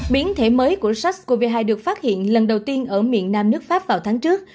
biến thể mới của sars cov hai được phát hiện lần đầu tiên ở miền nam nước pháp vào tháng trước